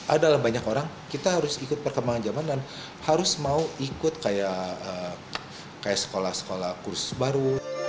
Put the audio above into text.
ada dalam banyak orang kita harus ikut perkembangan zaman dan harus mau ikut kayak sekolah sekolah kursus baru